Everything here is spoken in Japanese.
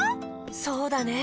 そうだね。